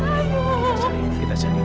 kita cari kita cari